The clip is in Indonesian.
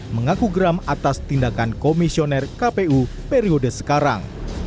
mengaku geram atas tindakan komisioner kpu periode sekarang